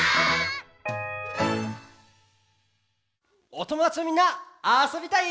おともだちのみんなあそびたい？